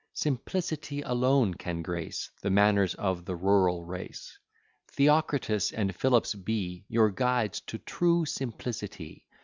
Simplicity alone can grace The manners of the rural race. Theocritus and Philips be Your guides to true simplicity.